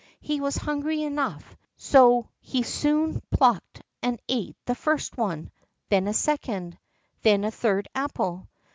He was hungry enough, so he soon plucked and ate first one, then a second, then a third apple.